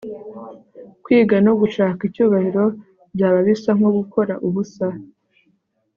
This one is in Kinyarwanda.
kwiga, no gushaka icyubahiro byaba bisa nko gukora ubusa